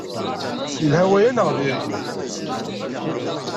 Yelha waya neɣ diri-t?